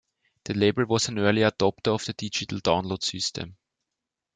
The label was an early adopter of the digital download system.